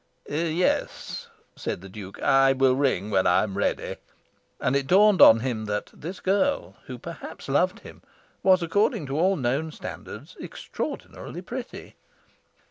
"Yes," said the Duke. "I will ring when I am ready." And it dawned on him that this girl, who perhaps loved him, was, according to all known standards, extraordinarily pretty.